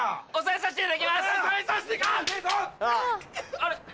あれ？